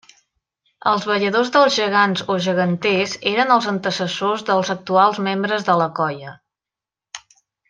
Els balladors dels gegants o geganters eren els antecessors dels actuals membres de la colla.